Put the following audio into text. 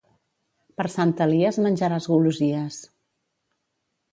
Per Sant Elies menjaràs golosies.